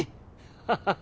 アハハハ。